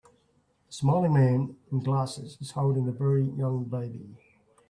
A smiling man in glasses is holding a very young baby.